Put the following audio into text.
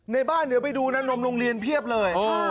ในบ้านเดี๋ยวไปดูนะนมโรงเรียนเพียบเลย